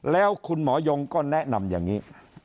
แล้วคุณหมอยงก็แนะนำอย่างนี้